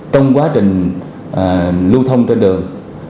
trong quá trình lưu thông trên đường